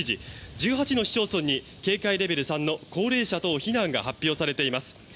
１８の市町村に警戒レベル３の高齢者等避難が発表されています。